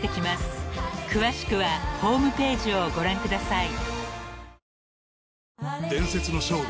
［詳しくはホームページをご覧ください］